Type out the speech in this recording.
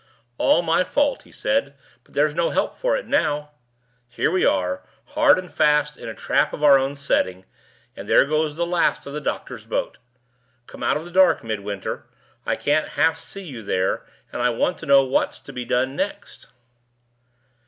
"All my fault," he said; "but there's no help for it now. Here we are, hard and fast in a trap of our own setting; and there goes the last of the doctor's boat! Come out of the dark, Midwinter; I can't half see you there, and I want to know what's to be done next."